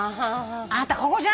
あなたここじゃないよって。